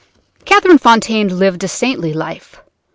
"Catherine Fontaine lived a saintly life.